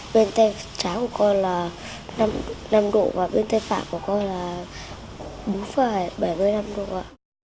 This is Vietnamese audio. bên tay trái của con là năm độ và bên tay phạm của con là bốn bảy mươi năm độ không ạ